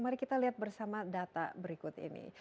mari kita lihat bersama data berikut ini